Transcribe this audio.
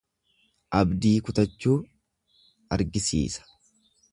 Abdii kutachuu argisiisa.